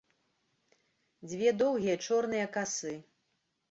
Дзве доўгія чорныя касы.